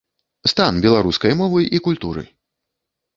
Стан беларускай мовы і культуры?